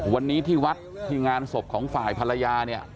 วันนี้ที่วัดที่งานศพของฝ่ายภรรยาเนี่ย